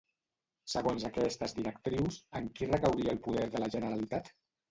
Segons aquestes directrius, en qui recauria el poder de la Generalitat?